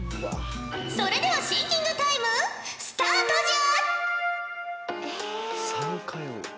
それではシンキングタイムスタートじゃ！